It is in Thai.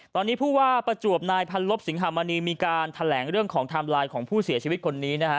ตอนนี้ผู้ว่าประจวบนายพันลบสิงหามณีมีการแถลงเรื่องของไทม์ไลน์ของผู้เสียชีวิตคนนี้นะฮะ